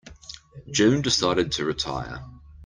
June decided to retire.